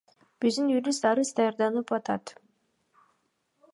Биздин юрист арыз даярдап атат.